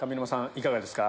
いかがですか？